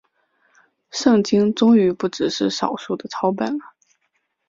圣经终于不只是少数的抄本了。